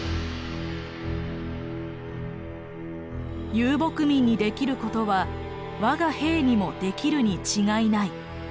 「遊牧民にできることは我が兵にもできるに違いない」